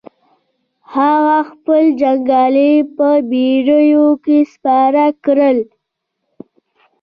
هغه خپل جنګيالي په بېړيو کې سپاره کړل.